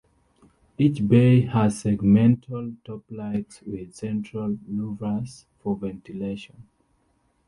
Each bay has segmental toplights with central louvres for ventilation.